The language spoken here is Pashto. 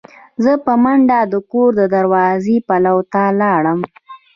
زه په منډه د کور د دروازې پلو ته لاړم.